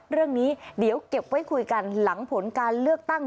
เรื่องนี้เดี๋ยวเก็บไว้คุยกันหลังผลการเลือกตั้ง